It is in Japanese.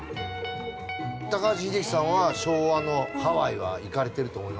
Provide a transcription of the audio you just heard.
高橋英樹さんは昭和のハワイは行かれてると思いますけれど。